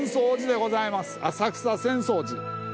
浅草浅草寺。